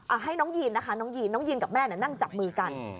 อ่ะให้น้องยีนนะคะน้องยีนกับแม่น่ะนั่งจับมือกัน